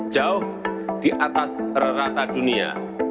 jauh di atas rata dunia